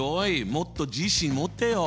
もっと自信持ってよ！